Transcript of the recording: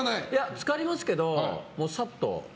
漬かりますけどさっと。